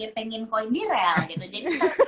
pengen koin di rel gitu jadi